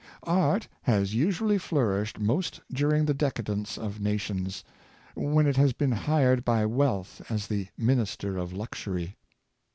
Art has usually flourished most during the decadence of nations, when it has been hired by wealth as the minister of luxury.